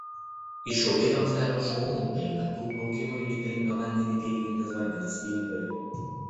Išilgai vamzdelio šonų eina du augimui reikalingą vandenį teikiantys vandens indai.